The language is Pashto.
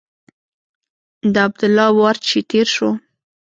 د عبدالله وار چې تېر شو.